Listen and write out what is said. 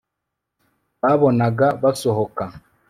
babonaga basohoka